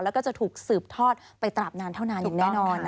แล้วก็จะถูกสืบทอดไปตราบนานเท่านานอย่างแน่นอน